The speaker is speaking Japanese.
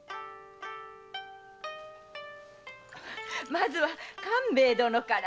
まずは官兵衛殿から！